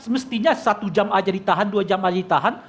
mestinya satu jam saja ditahan dua jam saja ditahan